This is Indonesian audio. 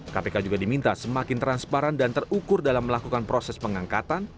kpk juga diminta semakin transparan dan terukur dalam melakukan proses pengangkatan